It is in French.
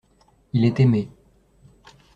Il est aimé.